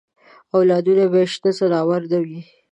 اولادونه به یې شنه ځناور نه وي.